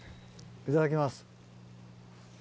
いただきます。